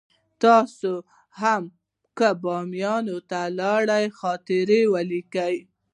تاسې هم که باميان ته لاړئ خاطرې ولیکئ.